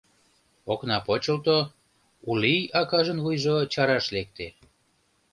Окна почылто, Улий акажын вуйжо чараш лекте.